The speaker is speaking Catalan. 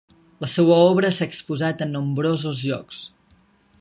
La seua obra s'ha exposat en nombrosos llocs.